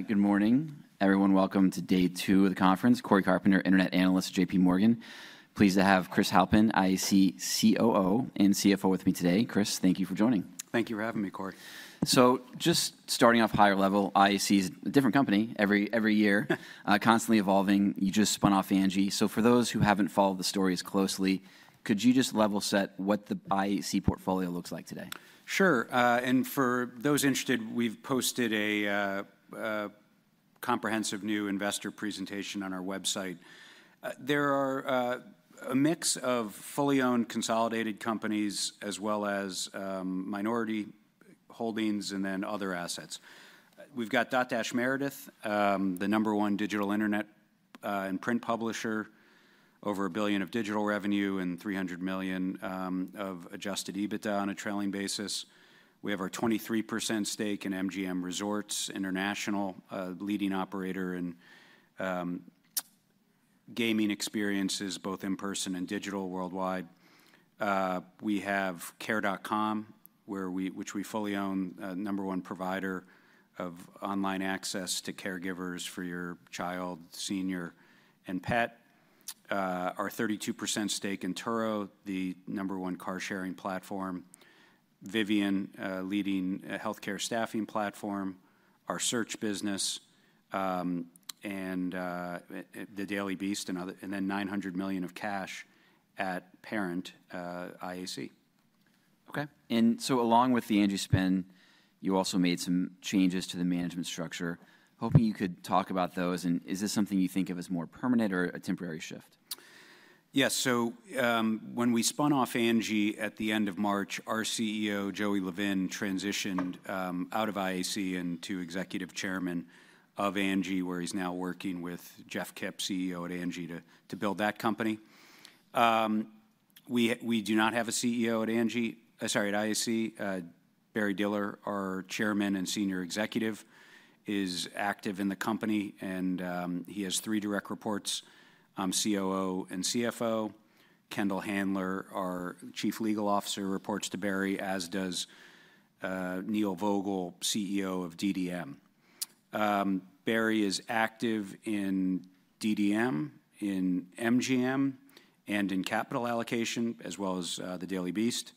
Good morning, everyone. Welcome to day two of the conference. Corey Carpenter, Internet Analyst, JPMorgan. Pleased to have Chris Halpin, IAC COO and CFO, with me today. Chris, thank you for joining. Thank you for having me, Corey. Just starting off higher level, IAC is a different company every year, constantly evolving. You just spun off ANGI. For those who have not followed the stories closely, could you just level set what the IAC portfolio looks like today? Sure. For those interested, we've posted a comprehensive new investor presentation on our website. There are a mix of fully owned consolidated companies as well as minority holdings and then other assets. We've got DotDash Meredith, the number one digital internet and print publisher, over $1 billion of digital revenue and $300 million of adjusted EBITDA on a trailing basis. We have our 23% stake in MGM Resorts International, a leading operator in gaming experiences, both in person and digital worldwide. We have Care.com, which we fully own, the number one provider of online access to caregivers for your child, senior, and pet. Our 32% stake in Turo, the number one car-sharing platform, Vivian, a leading health care staffing platform, our search business, and The Daily Beast, and then $900 million of cash at Parent IAC. OK. Along with the ANGI spend, you also made some changes to the management structure. Hoping you could talk about those. Is this something you think of as more permanent or a temporary shift? Yes. When we spun off ANGI at the end of March, our CEO, Joey Levin, transitioned out of IAC and to Executive Chairman of ANGI, where he's now working with Jeff Kipp, CEO at ANGI, to build that company. We do not have a CEO at IAC. Barry Diller, our Chairman and senior executive, is active in the company. He has three direct reports, COO and CFO. Kendall Handler, our Chief Legal Officer, reports to Barry, as does Neil Vogel, CEO of DDM. Barry is active in DDM, in MGM, and in capital allocation, as well as The Daily Beast.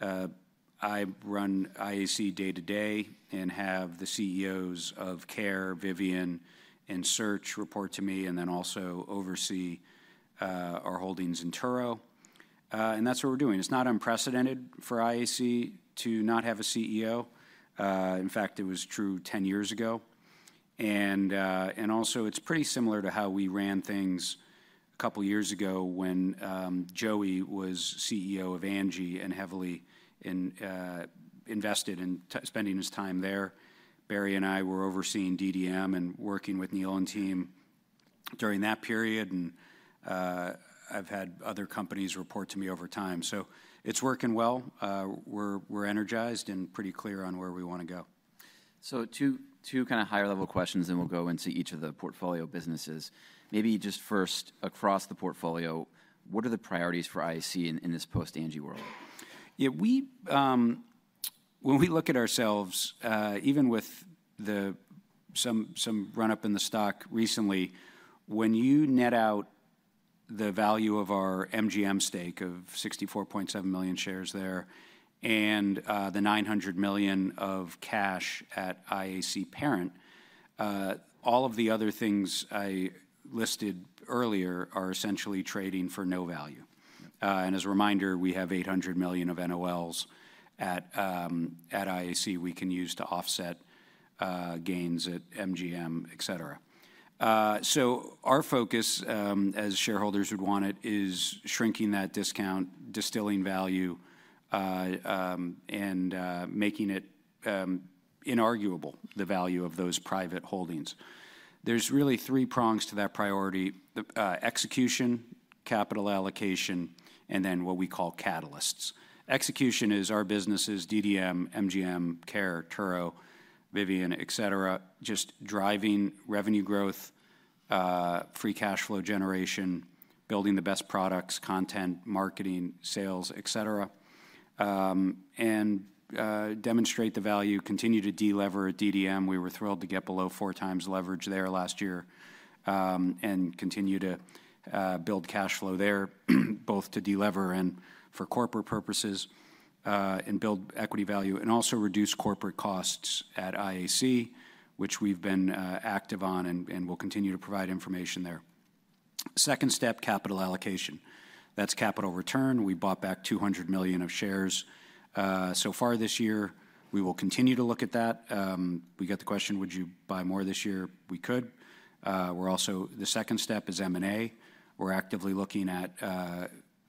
I run IAC day to day and have the CEOs of Care, Vivian, and Search report to me, and then also oversee our holdings in Turo. That's what we're doing. It's not unprecedented for IAC to not have a CEO. In fact, it was true 10 years ago. It is pretty similar to how we ran things a couple of years ago when Joey was CEO of ANGI and heavily invested in spending his time there. Barry and I were overseeing DDM and working with Neil and team during that period. I have had other companies report to me over time. It is working well. We are energized and pretty clear on where we want to go. Two kind of higher level questions, then we'll go into each of the portfolio businesses. Maybe just first, across the portfolio, what are the priorities for IAC in this post-ANGI world? When we look at ourselves, even with some run-up in the stock recently, when you net out the value of our MGM stake of $64.7 million shares there and the $900 million of cash at IAC Parent, all of the other things I listed earlier are essentially trading for no value. As a reminder, we have $800 million of NOLs at IAC we can use to offset gains at MGM, et cetera. Our focus, as shareholders would want it, is shrinking that discount, distilling value, and making it inarguable, the value of those private holdings. There are really three prongs to that priority: execution, capital allocation, and then what we call catalysts. Execution is our businesses: DDM, MGM, Care, Turo, Vivian, et cetera, just driving revenue growth, free cash flow generation, building the best products, content, marketing, sales, etc., and demonstrate the value, continue to delever at DDM. We were thrilled to get below four times leverage there last year and continue to build cash flow there, both to delever and for corporate purposes, and build equity value, and also reduce corporate costs at IAC, which we've been active on and will continue to provide information there. Second step, capital allocation. That's capital return. We bought back $200 million of shares so far this year. We will continue to look at that. We get the question, would you buy more this year? We could. The second step is M&A. We're actively looking at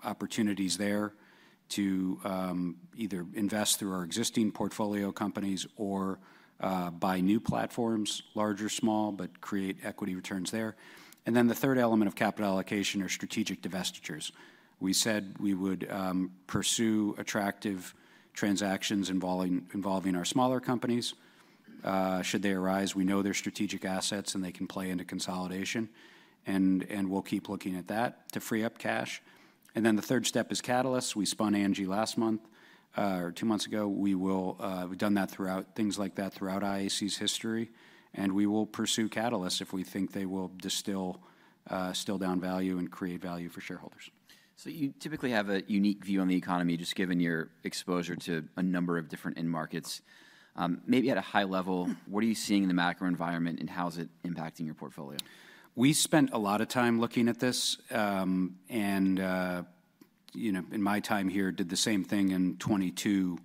opportunities there to either invest through our existing portfolio companies or buy new platforms, large or small, but create equity returns there. And then the third element of capital allocation are strategic divestitures. We said we would pursue attractive transactions involving our smaller companies. Should they arise, we know they're strategic assets and they can play into consolidation. We'll keep looking at that to free up cash. The third step is catalysts. We spun ANGI last month or two months ago. We've done things like that throughout IAC's history. We will pursue catalysts if we think they will still down value and create value for shareholders. You typically have a unique view on the economy, just given your exposure to a number of different end markets. Maybe at a high level, what are you seeing in the macro environment, and how is it impacting your portfolio? We spent a lot of time looking at this. In my time here, did the same thing in 2022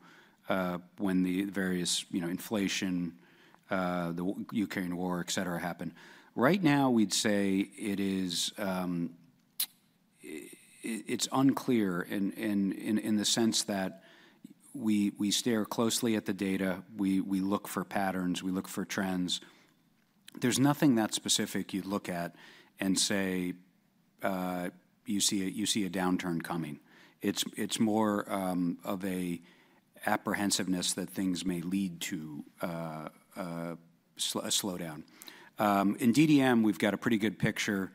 when the various inflation, the Ukraine war, etc., happened. Right now, we'd say it's unclear in the sense that we stare closely at the data. We look for patterns. We look for trends. There's nothing that specific you'd look at and say you see a downturn coming. It's more of an apprehensiveness that things may lead to a slowdown. In DDM, we've got a pretty good picture.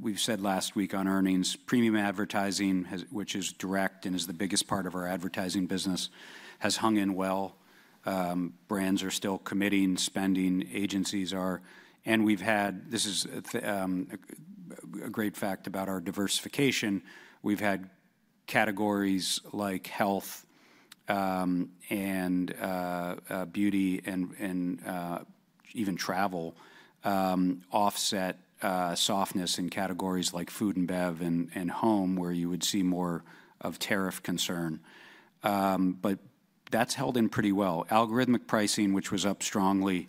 We said last week on earnings, premium advertising, which is direct and is the biggest part of our advertising business, has hung in well. Brands are still committing, spending, agencies are. We have had, this is a great fact about our diversification, we have had categories like health and beauty and even travel offset softness in categories like food and bev and home, where you would see more of tariff concern. That has held in pretty well. Algorithmic pricing, which was up strongly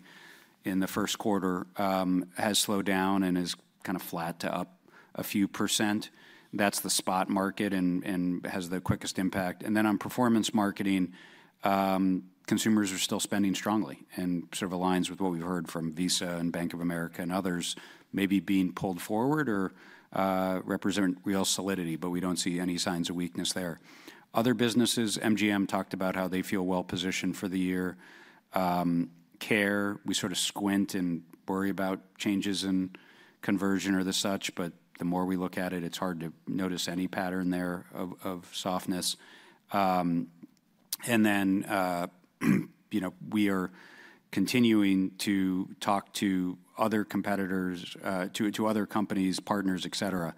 in the first quarter, has slowed down and is kind of flat to up a few %. That is the spot market and has the quickest impact. On performance marketing, consumers are still spending strongly. That sort of aligns with what we have heard from Visa and Bank of America and others maybe being pulled forward or represent real solidity, but we do not see any signs of weakness there. Other businesses, MGM talked about how they feel well positioned for the year. Care, we sort of squint and worry about changes in conversion or the such. The more we look at it, it's hard to notice any pattern there of softness. We are continuing to talk to other competitors, to other companies, partners, etc.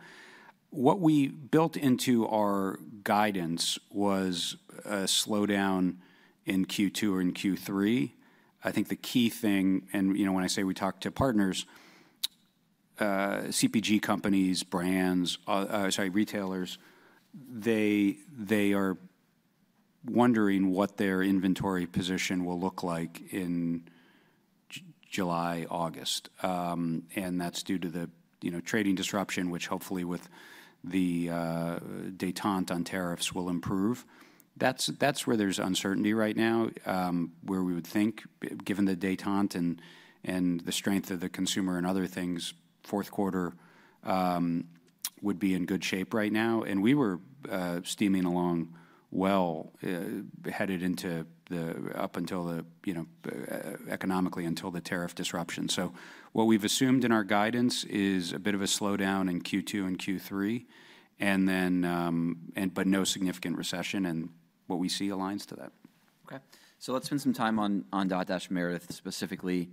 What we built into our guidance was a slowdown in Q2 or in Q3. I think the key thing, and when I say we talked to partners, CPG companies, brands, sorry, retailers, they are wondering what their inventory position will look like in July, August. That is due to the trading disruption, which hopefully with the détente on tariffs will improve. That is where there is uncertainty right now, where we would think, given the détente and the strength of the consumer and other things, fourth quarter would be in good shape right now. We were steaming along well, headed up economically until the tariff disruption. What we've assumed in our guidance is a bit of a slowdown in Q2 and Q3, but no significant recession. What we see aligns to that. OK. Let's spend some time on DotDash Meredith specifically.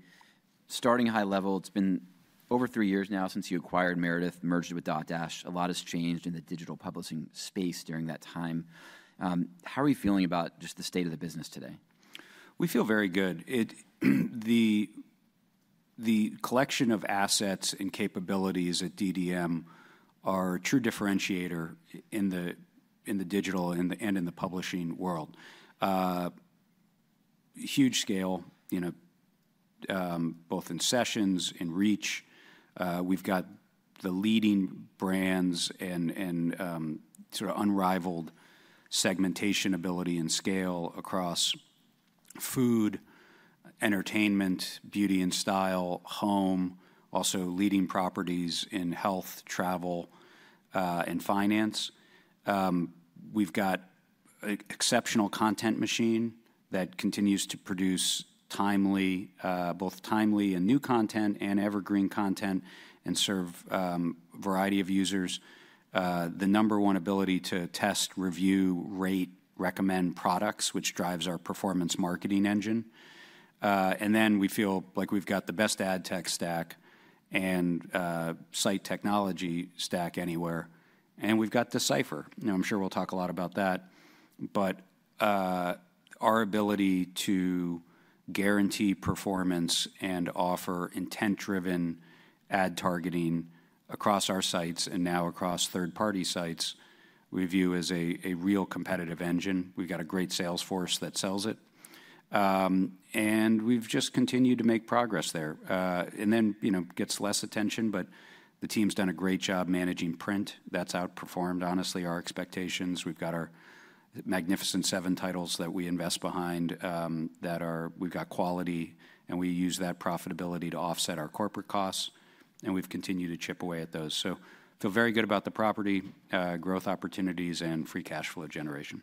Starting high level, it's been over three years now since you acquired Meredith, merged with DotDash. A lot has changed in the digital publishing space during that time. How are you feeling about just the state of the business today? We feel very good. The collection of assets and capabilities at DotDash Meredith are a true differentiator in the digital and in the publishing world. Huge scale, both in sessions, in reach. We have got the leading brands and sort of unrivaled segmentation ability and scale across food, entertainment, beauty and style, home, also leading properties in health, travel, and finance. We have got an exceptional content machine that continues to produce both timely and new content and evergreen content and serve a variety of users. The number one ability to test, review, rate, recommend products, which drives our performance marketing engine. We feel like we have got the best ad tech stack and site technology stack anywhere. We have got Decipher. I am sure we will talk a lot about that. Our ability to guarantee performance and offer intent-driven ad targeting across our sites and now across third-party sites we view as a real competitive engine. We have a great sales force that sells it. We have just continued to make progress there. It gets less attention, but the team's done a great job managing print. That has outperformed, honestly, our expectations. We have our magnificent seven titles that we invest behind that are, we have quality. We use that profitability to offset our corporate costs. We have continued to chip away at those. I feel very good about the property, growth opportunities, and free cash flow generation.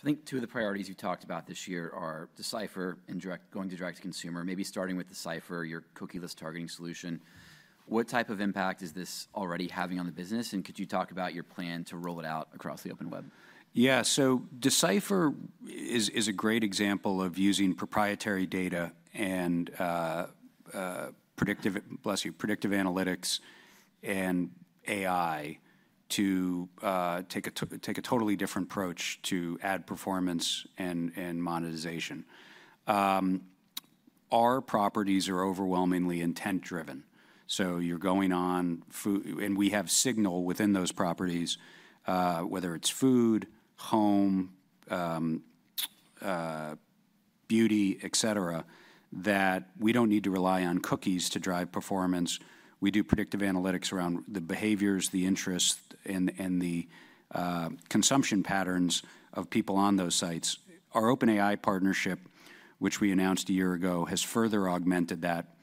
I think two of the priorities you talked about this year are Decipher and going to direct to consumer. Maybe starting with Decipher, your cookieless targeting solution. What type of impact is this already having on the business? Could you talk about your plan to roll it out across the open web? Yeah. Decipher is a great example of using proprietary data and predictive analytics and AI to take a totally different approach to ad performance and monetization. Our properties are overwhelmingly intent-driven. You are going on, and we have signal within those properties, whether it is food, home, beauty, etc., that we do not need to rely on cookies to drive performance. We do predictive analytics around the behaviors, the interests, and the consumption patterns of people on those sites. Our OpenAI partnership, which we announced a year ago, has further augmented that.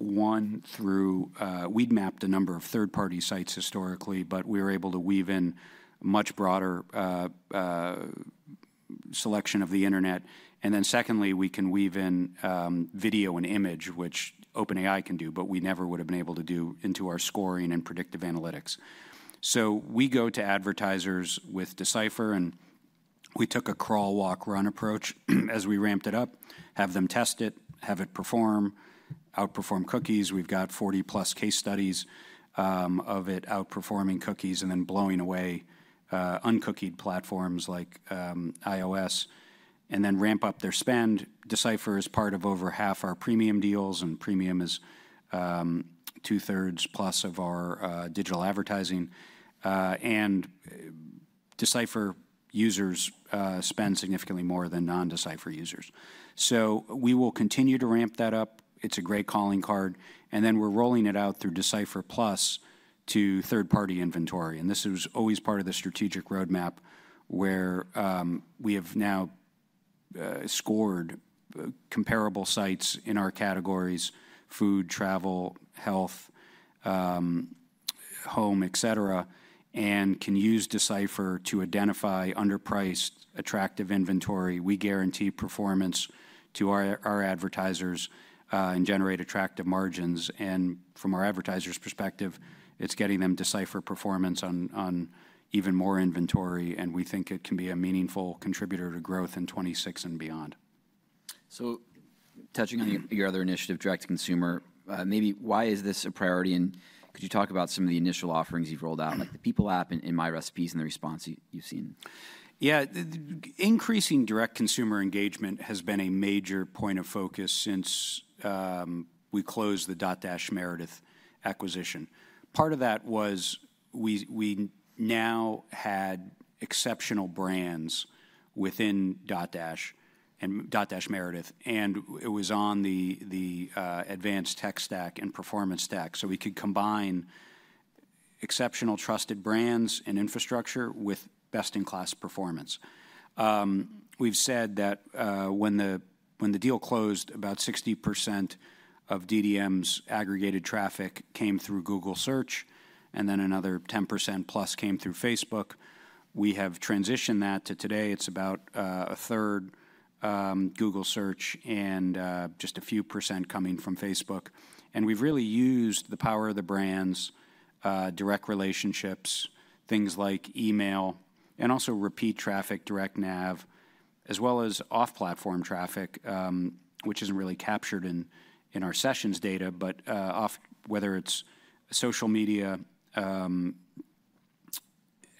We had mapped a number of third-party sites historically, but we were able to weave in a much broader selection of the internet. Secondly, we can weave in video and image, which OpenAI can do, but we never would have been able to do into our scoring and predictive analytics. We go to advertisers with Decipher. We took a crawl, walk, run approach as we ramped it up, have them test it, have it perform, outperform cookies. We've got 40-plus case studies of it outperforming cookies and then blowing away uncookied platforms like iOS and then ramp up their spend. Decipher is part of over half our premium deals, and premium is 2/3 plus of our digital advertising. Decipher users spend significantly more than non-Decipher users. We will continue to ramp that up. It's a great calling card. We're rolling it out through Decipher Plus to third-party inventory. This was always part of the strategic roadmap, where we have now scored comparable sites in our categories: food, travel, health, home, etc., and can use Decipher to identify underpriced, attractive inventory. We guarantee performance to our advertisers and generate attractive margins. From our advertisers' perspective, it's getting them Decipher performance on even more inventory. We think it can be a meaningful contributor to growth in 2026 and beyond. Touching on your other initiative, direct to consumer, maybe why is this a priority? Could you talk about some of the initial offerings you've rolled out, like the People App and My Recipes, and the response you've seen? Yeah. Increasing direct consumer engagement has been a major point of focus since we closed the DotDash Meredith acquisition. Part of that was we now had exceptional brands within DotDash and DotDash Meredith. It was on the advanced tech stack and performance stack. We could combine exceptional trusted brands and infrastructure with best-in-class performance. We've said that when the deal closed, about 60% of DDM's aggregated traffic came through Google Search, and then another 10%+ came through Facebook. We have transitioned that to today. It's about a third Google Search and just a few percent coming from Facebook. We've really used the power of the brands, direct relationships, things like email, and also repeat traffic, direct nav, as well as off-platform traffic, which isn't really captured in our sessions data, but whether it's social media,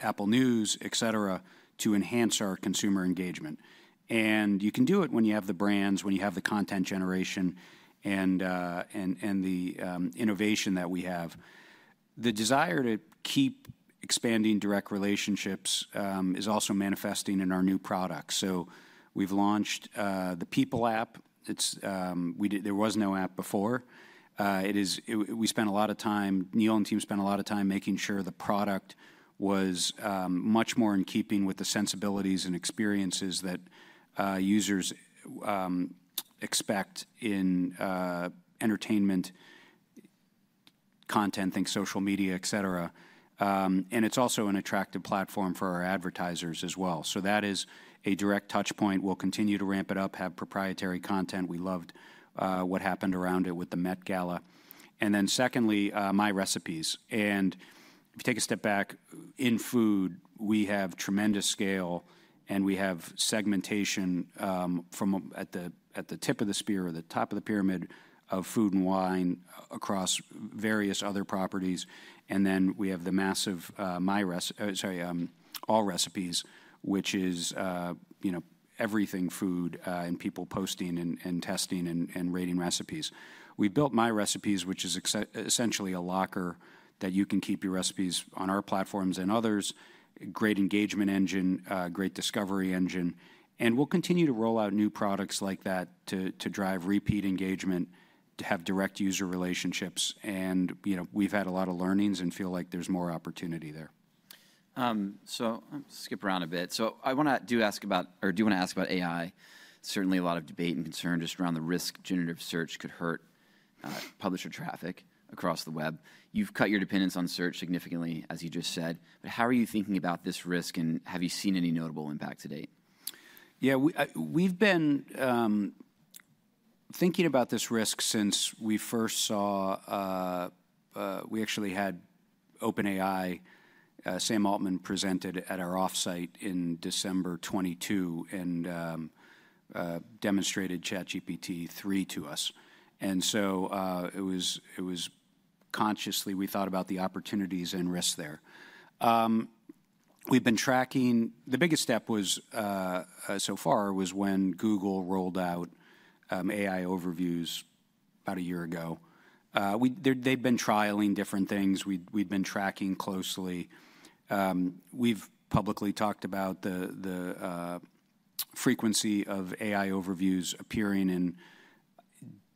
Apple News, etc., to enhance our consumer engagement. You can do it when you have the brands, when you have the content generation, and the innovation that we have. The desire to keep expanding direct relationships is also manifesting in our new products. We have launched the People App. There was no app before. We spent a lot of time, Neil and team spent a lot of time making sure the product was much more in keeping with the sensibilities and experiences that users expect in entertainment content, think social media, etc. It is also an attractive platform for our advertisers as well. That is a direct touch point. We will continue to ramp it up, have proprietary content. We loved what happened around it with the Met Gala. Secondly, My Recipes. If you take a step back, in food, we have tremendous scale. We have segmentation at the tip of the spear or the top of the pyramid of food and wine across various other properties. We have the massive My Recipes, which is everything food and people posting and testing and rating recipes. We built My Recipes, which is essentially a locker that you can keep your recipes on our platforms and others, a great engagement engine, a great discovery engine. We will continue to roll out new products like that to drive repeat engagement, to have direct user relationships. We have had a lot of learnings and feel like there is more opportunity there. I'll skip around a bit. I want to ask about, or do you want to ask about AI? Certainly a lot of debate and concern just around the risk generative search could hurt publisher traffic across the web. You've cut your dependence on search significantly, as you just said. How are you thinking about this risk? Have you seen any notable impact to date? Yeah. We've been thinking about this risk since we first saw we actually had OpenAI, Sam Altman, presented at our offsite in December 2022 and demonstrated ChatGPT 3 to us. It was consciously we thought about the opportunities and risks there. The biggest step so far was when Google rolled out AI Overviews about a year ago. They've been trialing different things. We've been tracking closely. We've publicly talked about the frequency of AI Overviews appearing in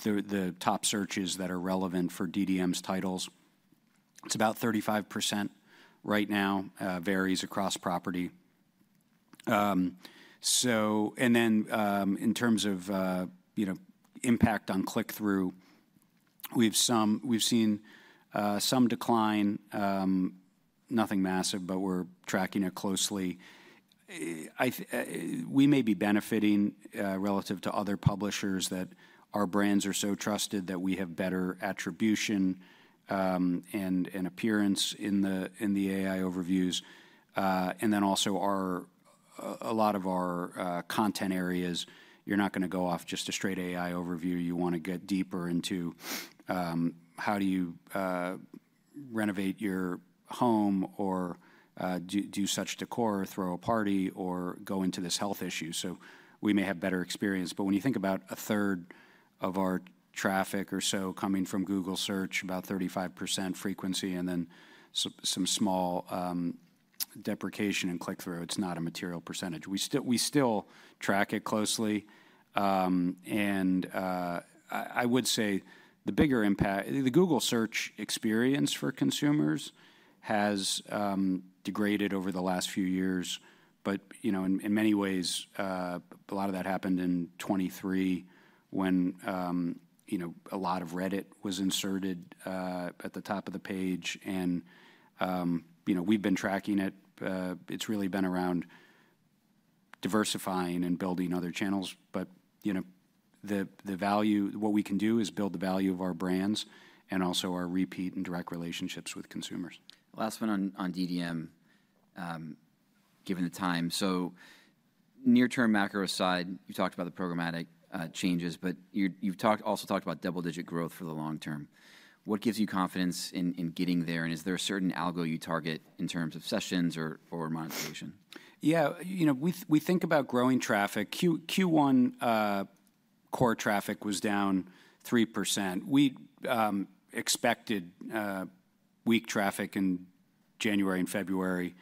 the top searches that are relevant for DDM's titles. It's about 35% right now, varies across property. In terms of impact on click-through, we've seen some decline, nothing massive, but we're tracking it closely. We may be benefiting relative to other publishers that our brands are so trusted that we have better attribution and appearance in the AI Overviews. A lot of our content areas, you're not going to go off just a straight AI overview. You want to get deeper into how do you renovate your home or do such decor, throw a party, or go into this health issue. We may have better experience. When you think about a third of our traffic or so coming from Google Search, about 35% frequency, and then some small deprecation and click-through, it's not a material percentage. We still track it closely. I would say the bigger impact, the Google Search experience for consumers has degraded over the last few years. In many ways, a lot of that happened in 2023 when a lot of Reddit was inserted at the top of the page. We have been tracking it. It's really been around diversifying and building other channels. What we can do is build the value of our brands and also our repeat and direct relationships with consumers. Last one on DDM, given the time. Near-term macro aside, you talked about the programmatic changes. You have also talked about double-digit growth for the long term. What gives you confidence in getting there? Is there a certain algo you target in terms of sessions or monetization? Yeah. We think about growing traffic. Q1 core traffic was down 3%. We expected weak traffic in January and February,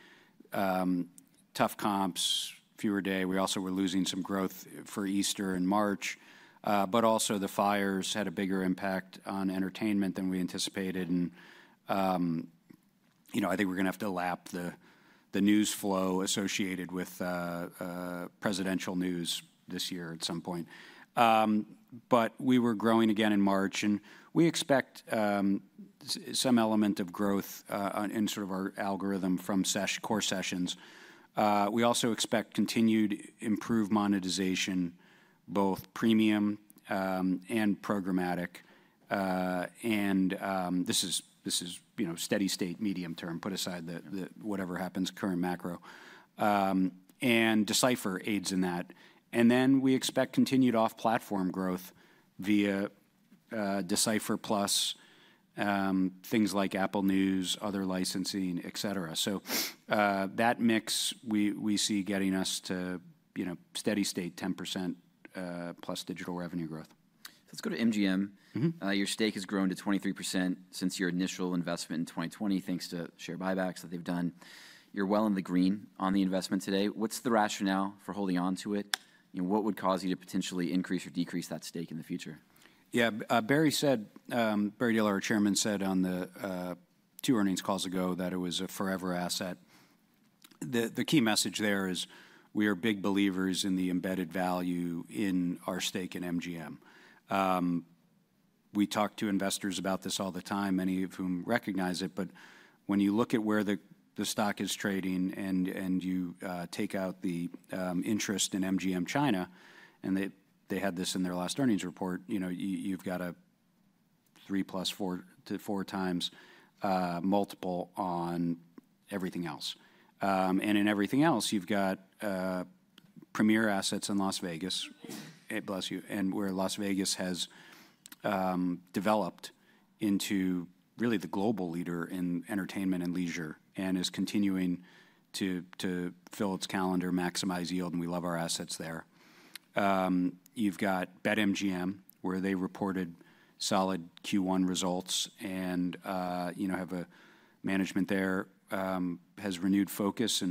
tough comps, fewer days. We also were losing some growth for Easter in March. The fires had a bigger impact on entertainment than we anticipated. I think we're going to have to lap the news flow associated with presidential news this year at some point. We were growing again in March. We expect some element of growth in sort of our algorithm from core sessions. We also expect continued improved monetization, both premium and programmatic. This is steady state medium term, put aside whatever happens, current macro. Decipher aids in that. We expect continued off-platform growth via Decipher Plus, things like Apple News, other licensing, etc. That mix we see getting us to steady state 10% plus digital revenue growth. Let's go to MGM. Your stake has grown to 23% since your initial investment in 2020, thanks to share buybacks that they've done. You're well in the green on the investment today. What's the rationale for holding on to it? What would cause you to potentially increase or decrease that stake in the future? Yeah. Barry Diller, our Chairman, said on the two earnings calls ago that it was a forever asset. The key message there is we are big believers in the embedded value in our stake in MGM. We talk to investors about this all the time, many of whom recognize it. When you look at where the stock is trading and you take out the interest in MGM China, and they had this in their last earnings report, you have got a 3-4 to 4 times multiple on everything else. In everything else, you have got premier assets in Las Vegas, bless you, and where Las Vegas has developed into really the global leader in entertainment and leisure and is continuing to fill its calendar, maximize yield. We love our assets there. You've got BetMGM, where they reported solid Q1 results and have a management there, has renewed focus.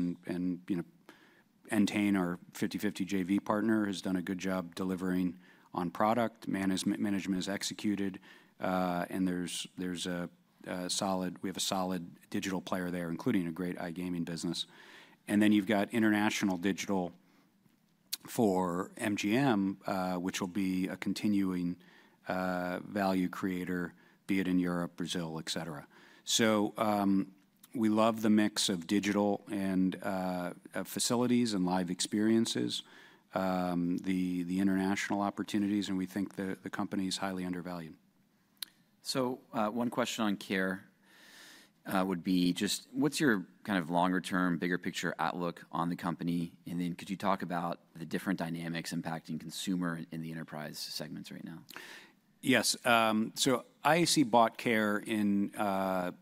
Entain, our 50/50 JV partner, has done a good job delivering on product. Management is executed. We have a solid digital player there, including a great Gaming business. You've got international digital for MGM, which will be a continuing value creator, be it in Europe, Brazil, etc. We love the mix of digital and facilities and live experiences, the international opportunities. We think the company is highly undervalued. One question on Care.com would be just what's your kind of longer-term, bigger-picture outlook on the company? Could you talk about the different dynamics impacting consumer and the enterprise segments right now? Yes. IAC bought Care.com in Q1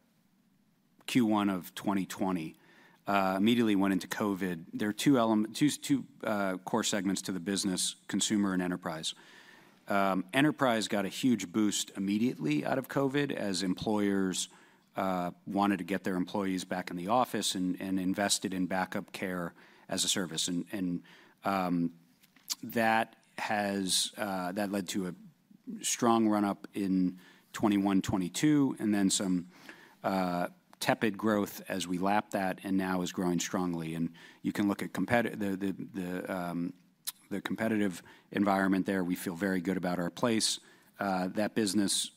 of 2020, immediately went into COVID. There are two core segments to the business, consumer and enterprise. Enterprise got a huge boost immediately out of COVID as employers wanted to get their employees back in the office and invested in backup care as a service. That led to a strong run-up in 2021, 2022, and then some tepid growth as we lapped that and now is growing strongly. You can look at the competitive environment there. We feel very good about our place. That business,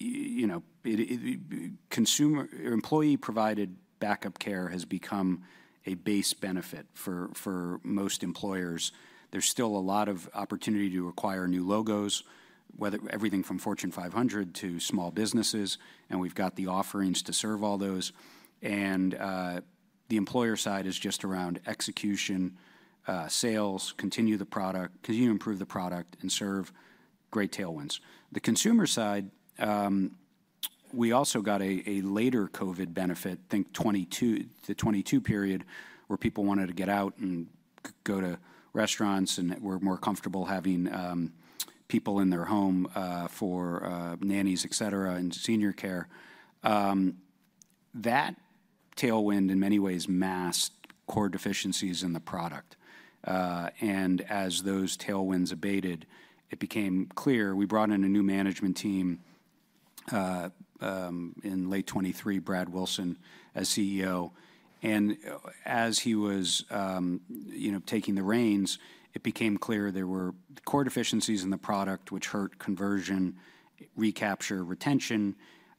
employee-provided backup care, has become a base benefit for most employers. There is still a lot of opportunity to acquire new logos, everything from Fortune 500 to small businesses. We have the offerings to serve all those. The employer side is just around execution, sales, continue the product, continue to improve the product, and serve great tailwinds. The consumer side, we also got a later COVID benefit, think 2022, the 2022 period, where people wanted to get out and go to restaurants and were more comfortable having people in their home for nannies, etc, and senior care. That tailwind, in many ways, masked core deficiencies in the product. As those tailwinds abated, it became clear. We brought in a new management team in late 2023, Brad Wilson as CEO. As he was taking the reins, it became clear there were core deficiencies in the product, which hurt conversion, recapture, retention.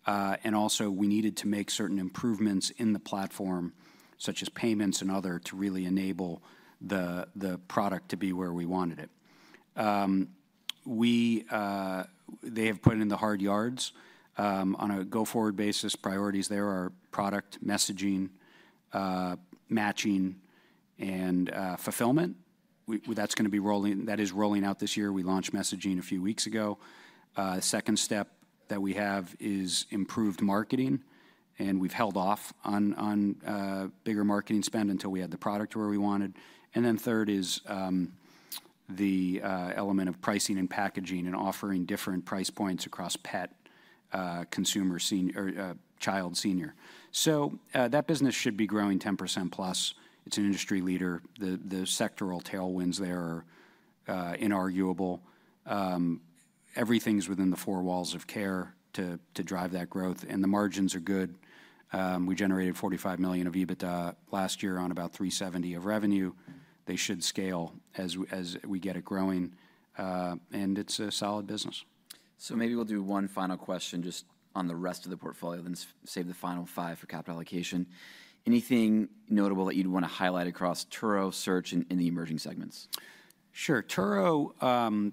We needed to make certain improvements in the platform, such as payments and other, to really enable the product to be where we wanted it. They have put in the hard yards on a go-forward basis, priorities there are product messaging, matching, and fulfillment. That is going to be rolling. That is rolling out this year. We launched messaging a few weeks ago. Second step that we have is improved marketing. We have held off on bigger marketing spend until we had the product where we wanted. Third is the element of pricing and packaging and offering different price points across pet consumer, child, senior. That business should be growing 10%+. It is an industry leader. The sectoral tailwinds there are inarguable. Everything is within the four walls of Care.com to drive that growth. The margins are good. We generated $45 million of EBITDA last year on about $370 million of revenue. They should scale as we get it growing. It is a solid business. Maybe we'll do one final question just on the rest of the portfolio, then save the final five for capital allocation. Anything notable that you'd want to highlight across Turo, Search, and the emerging segments? Sure. Turo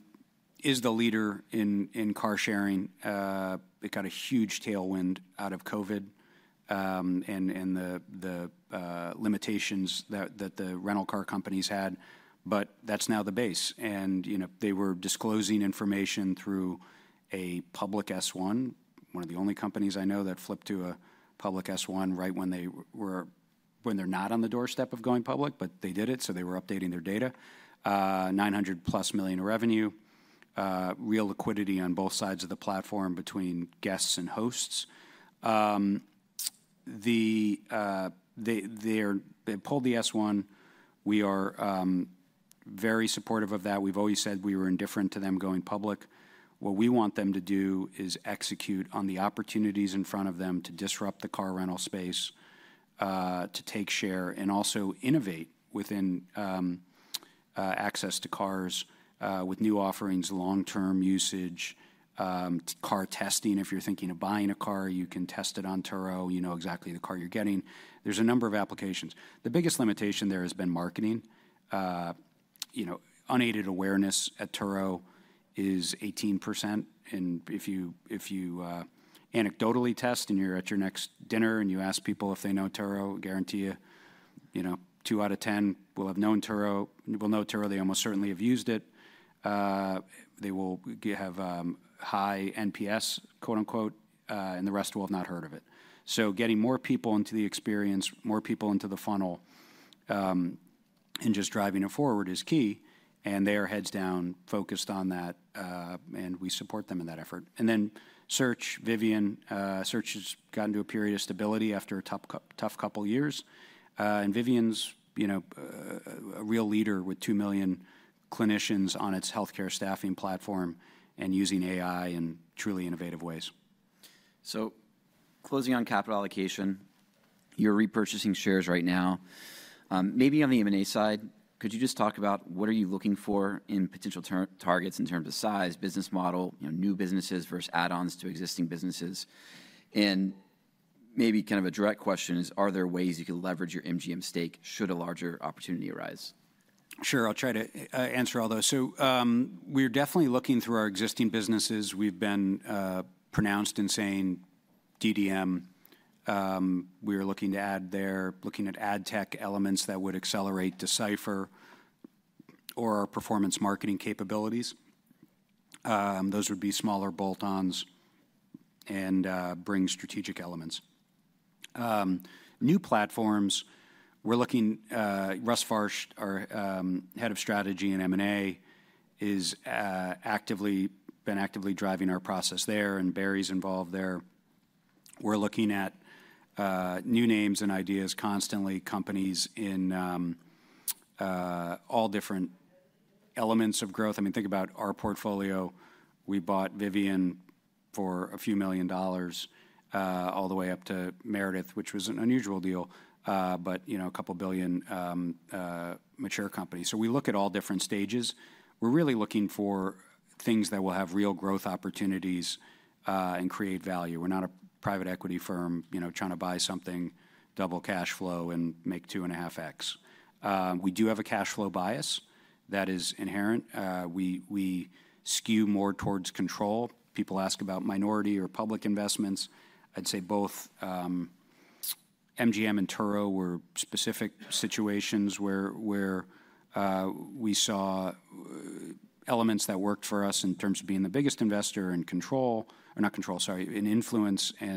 is the leader in car sharing. It got a huge tailwind out of COVID and the limitations that the rental car companies had. That is now the base. They were disclosing information through a public S1, one of the only companies I know that flipped to a public S1 right when they are not on the doorstep of going public. They did it. They were updating their data. $900 million-plus of revenue, real liquidity on both sides of the platform between guests and hosts. They pulled the S1. We are very supportive of that. We have always said we were indifferent to them going public. What we want them to do is execute on the opportunities in front of them to disrupt the car rental space, to take share, and also innovate within access to cars with new offerings, long-term usage, car testing. If you're thinking of buying a car, you can test it on Turo. You know exactly the car you're getting. There's a number of applications. The biggest limitation there has been marketing. Unaided awareness at Turo is 18%. If you anecdotally test and you're at your next dinner and you ask people if they know Turo, guarantee you 2 out of 10 will have known Turo. They almost certainly have used it. They will have high NPS, quote unquote, and the rest will have not heard of it. Getting more people into the experience, more people into the funnel, and just driving it forward is key. They are heads down, focused on that. We support them in that effort. Search, Vivian. Search has gotten to a period of stability after a tough couple of years. Vivian's a real leader with 2 million clinicians on its healthcare staffing platform and using AI in truly innovative ways. Closing on capital allocation, you're repurchasing shares right now. Maybe on the M&A side, could you just talk about what are you looking for in potential targets in terms of size, business model, new businesses versus add-ons to existing businesses? Maybe kind of a direct question is, are there ways you can leverage your MGM stake should a larger opportunity arise? Sure. I'll try to answer all those. We're definitely looking through our existing businesses. We've been pronounced in saying DDM. We are looking to add there, looking at ad tech elements that would accelerate Decipher or our performance marketing capabilities. Those would be smaller bolt-ons and bring strategic elements. New platforms, we're looking. Russ Farsh, our Head of Strategy and M&A, has been actively driving our process there, and Barry's involved there. We're looking at new names and ideas constantly, companies in all different elements of growth. I mean, think about our portfolio. We bought Vivian for a few million dollars all the way up to Meredith, which was an unusual deal, but a couple of billion mature company. We look at all different stages. We're really looking for things that will have real growth opportunities and create value. We're not a private equity firm trying to buy something, double cash flow, and make 2.5x. We do have a cash flow bias that is inherent. We skew more towards control. People ask about minority or public investments. I'd say both MGM and Turo were specific situations where we saw elements that worked for us in terms of being the biggest investor in control, or not control, sorry, in influence. We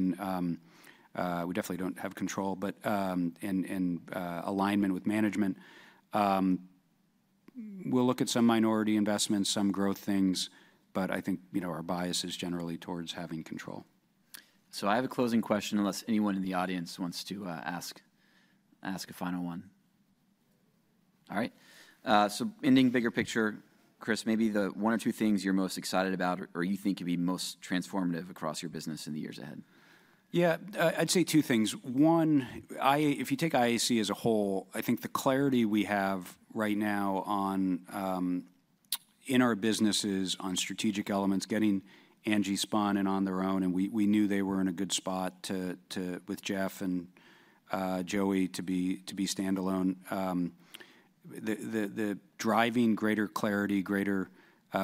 definitely don't have control and alignment with management. We'll look at some minority investments, some growth things. I think our bias is generally towards having control. So I have a closing question, unless anyone in the audience wants to ask a final one. All right. Ending bigger picture, Chris, maybe the one or two things you're most excited about or you think could be most transformative across your business in the years ahead. Yeah. I'd say two things. One, if you take IAC as a whole, I think the clarity we have right now in our businesses on strategic elements, getting ANGI spun in on their own, and we knew they were in a good spot with Jeff and Joey to be standalone, the driving greater clarity, greater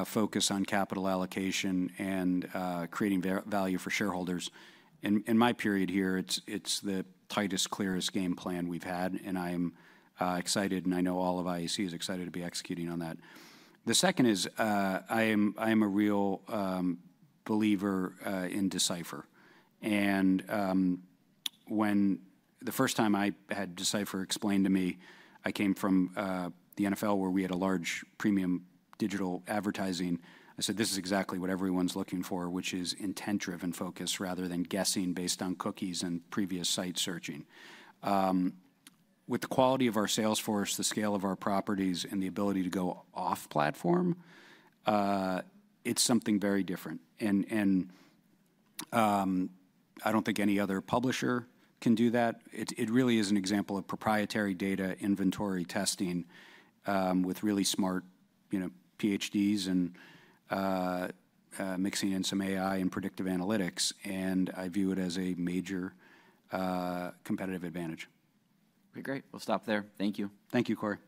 focus on capital allocation, and creating value for shareholders. In my period here, it's the tightest, clearest game plan we've had. I am excited. I know all of IAC is excited to be executing on that. The second is I am a real believer in Decipher. The first time I had Decipher explained to me, I came from the NFL, where we had a large premium digital advertising. I said, this is exactly what everyone's looking for, which is intent-driven focus rather than guessing based on cookies and previous site searching. With the quality of our sales force, the scale of our properties, and the ability to go off-platform, it is something very different. I do not think any other publisher can do that. It really is an example of proprietary data inventory testing with really smart PhDs and mixing in some AI and predictive analytics. I view it as a major competitive advantage. Great. We'll stop there. Thank you. Thank you, Corey.